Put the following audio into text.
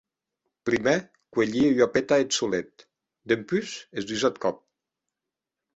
Prumèr cuelhie ua peta eth solet, dempús es dus ath còp.